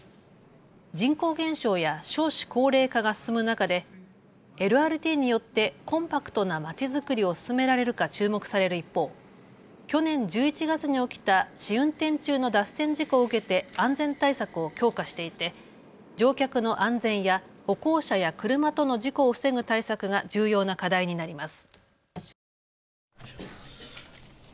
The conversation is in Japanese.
人口減少や少子高齢化が進む中で、ＬＲＴによってコンパクトなまちづくりを進められるか注目される一方、去年１１月に起きた試運転中の脱線事故を受けて安全対策を強化していて乗客の安全や歩行者や車との事故を防ぐ対策が重要な課題になります。